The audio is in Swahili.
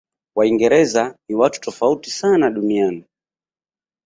waingereza ni watu tofauti sana duniani